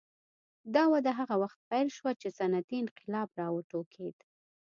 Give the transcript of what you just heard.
دا وده هغه وخت پیل شوه چې صنعتي انقلاب راوټوکېد.